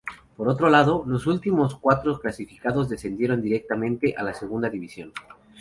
Por otro lado, los últimos cuatro clasificados descendieron directamente a la Segunda División.